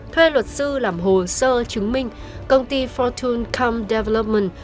thuê luật sư làm hồ sơ chứng minh công ty fortune camp development